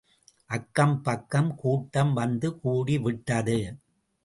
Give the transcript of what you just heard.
அக்கம் பக்கம் கூட்டம் வந்து கூடிவிட்டது.